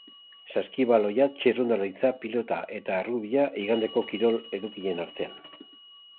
Saskibaloia, txirrindularitza, pilota eta errugbia igandeko kirol edukien artean.